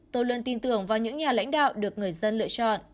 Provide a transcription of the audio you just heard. tôi luôn tin tưởng vào những nhà lãnh đạo được người dân lựa chọn